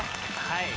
はい。